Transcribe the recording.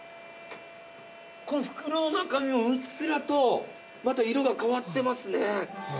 この袋の中身もうっすらとまた色が変わってますね。